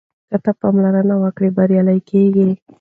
که ته پاملرنه وکړې بریالی کېږې.